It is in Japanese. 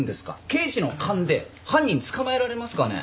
刑事の勘で犯人捕まえられますかね？